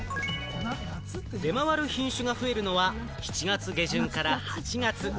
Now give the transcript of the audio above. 出回る品種が増えるのは、７月下旬から８月。